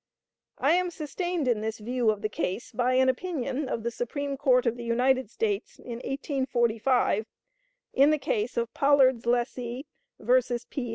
I am sustained in this view of the case by an opinion of the Supreme Court of the United States in 1845, in the case of Pollard's Lessee vs. P.